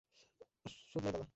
সুদলাই, দাদা।